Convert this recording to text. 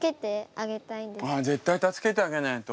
あ絶対助けてあげないと。